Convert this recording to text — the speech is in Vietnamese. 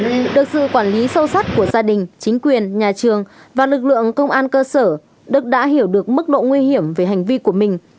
nhưng được sự quản lý sâu sắc của gia đình chính quyền nhà trường và lực lượng công an cơ sở đức đã hiểu được mức độ nguy hiểm về hành vi của mình